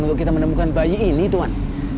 untuk kita menemukan bayi ini tuhan